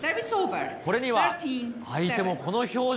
これには相手もこの表情。